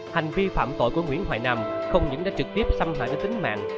hành vi phạm tội của nguyễn hoài nam không những đã trực tiếp xâm hại đến tính mạng